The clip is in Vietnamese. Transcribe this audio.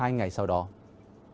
ban ngày chiều cho bảy sáu năm